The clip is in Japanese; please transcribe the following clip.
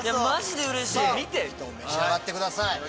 では召し上がってください。